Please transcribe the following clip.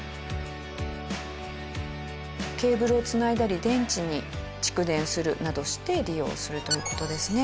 ケーブルをつないだり電池に蓄電するなどして利用するという事ですね。